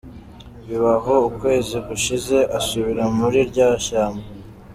Biba aho, ukwezi gushize asubira muri rya shyamba.